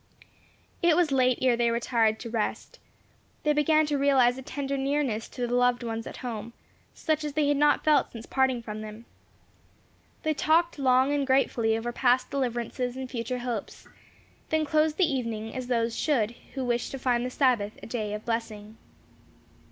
It was late ere they retired to rest. They began to realize a tender nearness to the loved ones at home, such as they had not felt since parting from them. They talked long and gratefully over past deliverances and future hopes; then closed the evening as those should who wish to find the Sabbath a day of blessing.